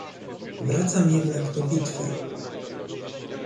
"Wracam jednak do bitwy."